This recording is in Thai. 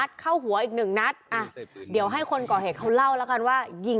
ใช่ค่ะ